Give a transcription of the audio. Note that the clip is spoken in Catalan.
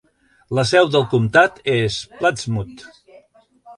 La seu del comtat és Plattsmouth.